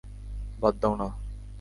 বাদ দাও না।